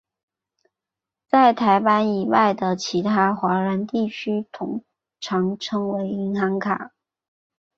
在台湾以外的其他华人地区通常称为银行卡。